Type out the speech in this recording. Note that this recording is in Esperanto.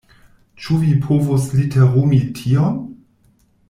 Ĉu vi povus literumi tion?